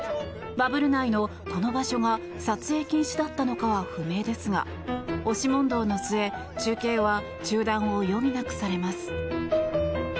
バブル内のこの場所が撮影禁止だったのかは不明ですが押し問答の末中継は中断を余儀なくされます。